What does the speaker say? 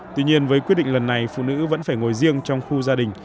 tuy nhiên với quyết định lần này phụ nữ vẫn phải ngồi riêng trong khu gia đình